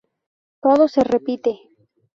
Todo se repite.